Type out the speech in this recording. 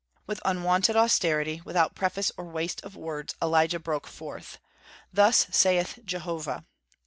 With unwonted austerity, without preface or waste of words, Elijah broke forth: "Thus saith Jehovah!"